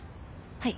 はい。